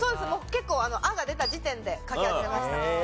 結構「あ」が出た時点で書き始めました。